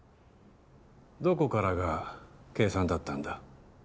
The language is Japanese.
どこからが計算だったんだ？